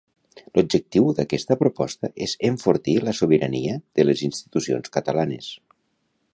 L'objectiu d'aquesta proposta és enfortir la sobirania de les institucions catalanes.